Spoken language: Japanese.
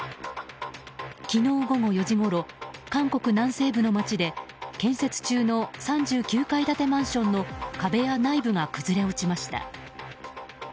昨日午後４時ごろ韓国南西部の街で建設中の３９階建てマンションの壁や内部が崩れ落ちました。